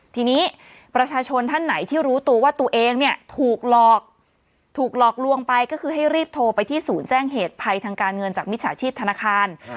ทีนี้ประชาชนท่านไหนที่รู้ตัวว่าตัวเองเนี่ยถูกหลอกถูกหลอกลวงไปก็คือให้รีบโทรไปที่ศูนย์แจ้งเหตุภัยทางการเงินจากมิจฉาชีพธนาคาร